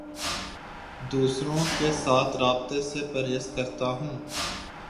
دوسروں کے ساتھ رابطے سے پرہیز کرتا ہوں